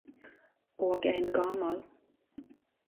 Og ein gamal